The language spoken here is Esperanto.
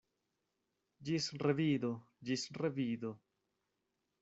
Ĝis revido; ĝis revido!